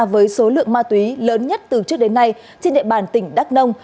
với số lượng ma túy lớn nhất từ trước đến nay trên địa bàn tỉnh đắk nông